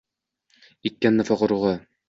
Ekkan nifoq urug’i.